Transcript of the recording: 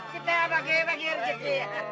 kita bagi bagi aja ji